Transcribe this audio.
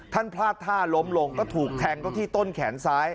ท่านพลาดท่าล้มลงก็ถูกแทงเขาที่ต้นแขนซ้าย